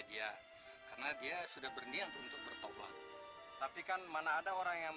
sampai jumpa di video selanjutnya